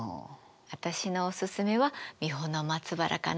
私のオススメは三保松原かな。